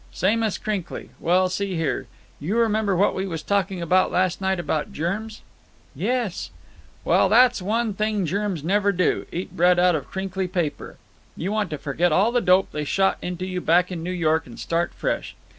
"Same as crinkly. Well, see here. You remember what we was talking about last night about germs?" "Yes." "Well, that's one thing germs never do, eat bread out of crinkly paper. You want to forget all the dope they shot into you back in New York and start fresh.